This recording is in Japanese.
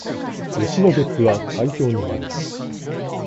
牛のげっぷは環境に悪い